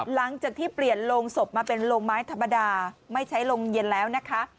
หลังจากที่เปลี่ยนโรงศพมาเป็นโรงไม้ธรรมดาไม่ใช้โรงเย็นแล้วนะคะ